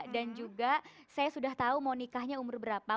dan juga saya sudah tahu mau nikahnya umur berapa